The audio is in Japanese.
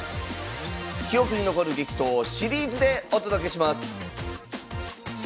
記憶に残る激闘をシリーズでお届けします